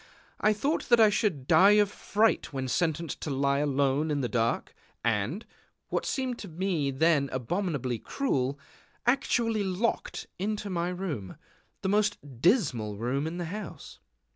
I thought that I should die of fright when sentenced to lie alone in the dark, and what seemed to me then abominably cruel actually locked into my room, the most dismal room of the house.